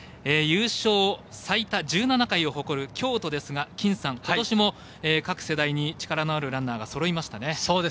優勝最多１７回を誇る京都ですが金さん、ことしも各世代に力のあるランナーがそろいましたね。